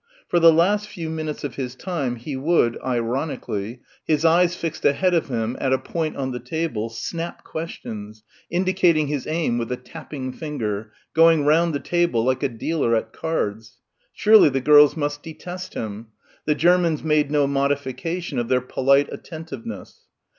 For the last few minutes of his time he would, ironically, his eyes fixed ahead of him at a point on the table, snap questions indicating his aim with a tapping finger, going round the table like a dealer at cards. Surely the girls must detest him.... The Germans made no modification of their polite attentiveness.